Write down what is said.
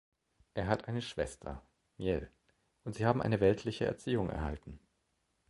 Er hat eine Schwester, Miel, und sie haben eine weltliche Erziehung erhalten.